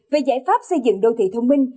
về giải pháp xây dựng đô thị thông minh